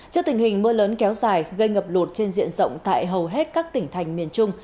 trước tình hình mưa lớn kéo dài gây ngập lụt trên diện rộng tại hầu hết các tỉnh thành miền trung